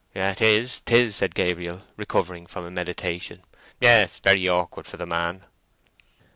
"'Tis—'tis," said Gabriel, recovering from a meditation. "Yes, very awkward for the man."